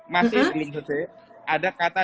masih ada kata dapat